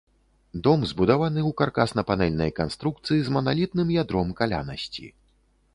Дом збудаваны ў каркасна-панэльнай канструкцыі з маналітным ядром калянасці.